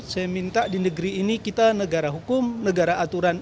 saya minta di negeri ini kita negara hukum negara aturan